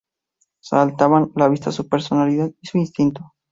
Saltaban a la vista su personalidad y su instinto.